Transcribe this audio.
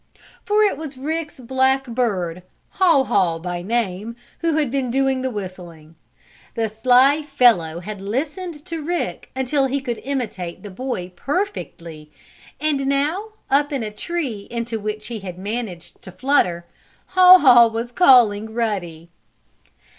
For it was Rick's black bird, Haw Haw by name, who had been doing the whistling. The sly fellow had listened to Rick until he could imitate the boy perfectly and now, up in a tree into which he had managed to flutter, Haw Haw was calling Ruddy.